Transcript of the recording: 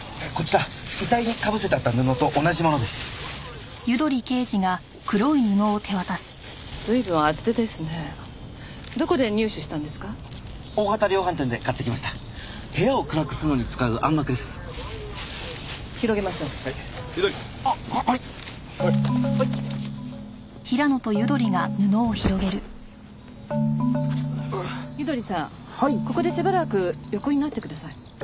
ここでしばらく横になってください。